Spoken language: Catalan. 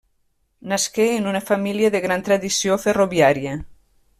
Nasqué en una família de gran tradició ferroviària.